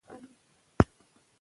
د مور نرمه ژبه ماشوم اراموي.